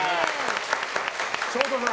昇太さん